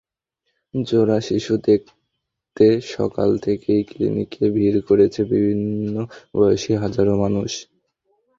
জোড়া শিশু দেখতে সকাল থেকেই ক্লিনিকে ভিড় করেছে বিভিন্ন বয়সী হাজারো মানুষ।